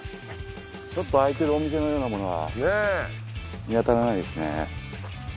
ちょっと開いてるお店のようなものは見当たらないですね。